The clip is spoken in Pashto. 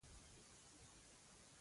مېرمنه تل د مېړه تېروتنو ته بښنه کوي.